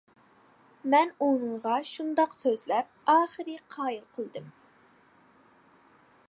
مەن ئۇنىڭغا شۇنداق سۆزلەپ، ئاخىرى قايىل قالدىم.